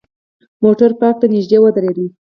موټر پارک ته نژدې ودرید.